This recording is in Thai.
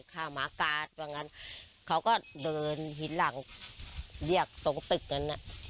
ฆ่าหมากัดว่างั้นเขาก็เดินหินหลังเรียกตรงตึกนั้นน่ะ